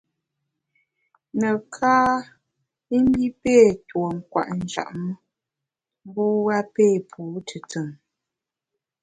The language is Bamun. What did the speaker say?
Neká i mbi pé tuo kwet njap me, mbu a pé pu tùtùn.